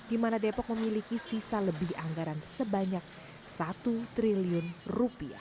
di mana depok memiliki sisa lebih anggaran sebanyak rp satu triliun